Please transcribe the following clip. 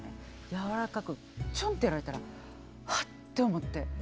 柔らかくちょんとやられたら「あ」って思って。